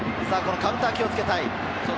カウンター、気を付けたい。